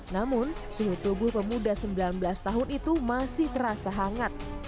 namun suhu tubuh pemuda sembilan belas tahun itu masih terasa hangat